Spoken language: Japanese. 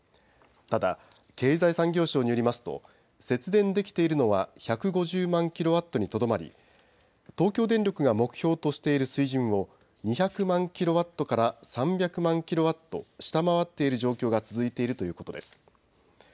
ただ経済産業省によりますと節電できているのは１５０万ｋＷにとどまり東京電力が目標としている水準を２００万ｋＷから３００万ｋＷ、下回っている状況が続いているということです。